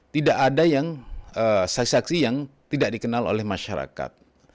tidak ada yang saksi saksi yang tidak dikenal oleh masyarakat